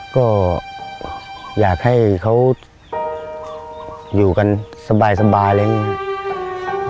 ก็อยากให้เขาอยู่กันสบายอะไรอย่างนี้ครับ